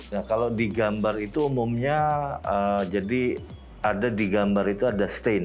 nah kalau di gambar itu umumnya jadi ada di gambar itu ada stain